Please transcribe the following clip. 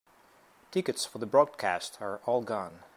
Tickets for the broadcast are all gone.